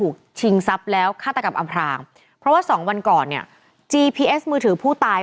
ใครพบเห็นช่วยแจ้งถี่